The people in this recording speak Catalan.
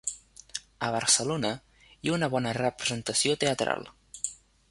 A Barcelona hi ha una bona representació teatral.